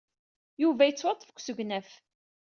Yuba yettwaḍḍef deg usegnaf.